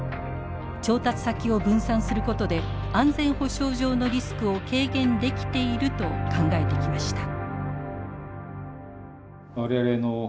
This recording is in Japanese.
調達先を分散することで安全保障上のリスクを軽減できていると考えてきました。